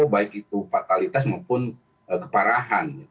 baik itu fatalitas maupun keparahan